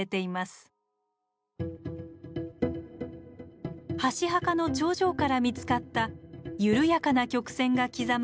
箸墓の頂上から見つかった緩やかな曲線が刻まれた土器の破片。